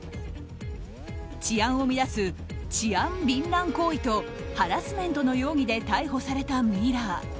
治安を乱す、治安びん乱行為とハラスメントの容疑で逮捕されたミラー。